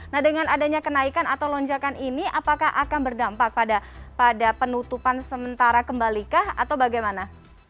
nah dengan adanya kenaikan atau lonjakan ini apakah akan berdampak pada penutupan sementara kembalikah atau bagaimana